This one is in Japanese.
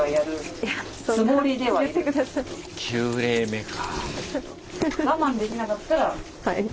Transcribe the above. ９例目か。